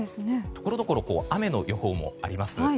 ところどころ雨の予報もあります。